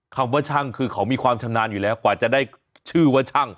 คำว่าช่างคือเขามีความชำนาญอยู่แล้วกว่าจะได้ชื่อว่าช่าง